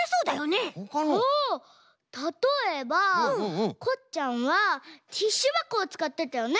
あったとえばこっちゃんはティッシュばこをつかってたよね？